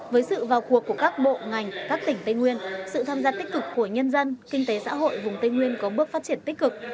với sự vào cuộc của các bộ ngành các tỉnh tây nguyên sự tham gia tích cực của nhân dân kinh tế xã hội vùng tây nguyên có bước phát triển tích cực